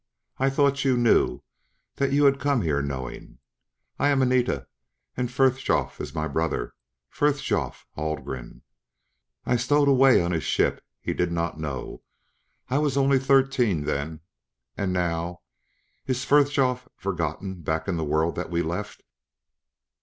"I thought you knew, that you had come here knowing. I am Anita, and Frithjof is my brother Frithjof Haldgren! I stowed away on his ship; he did not know. I was only thirteen then.... And now, is Frithjof forgotten back in that world that we left?"